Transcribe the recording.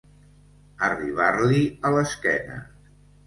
Arribar-li a l'esquena.